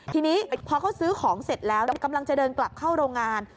ทีนี้พอเขาซื้อของเสร็จแล้วกำลังจะเดินกลับเข้าโรงงาน